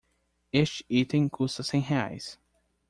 Este item custa cem reais.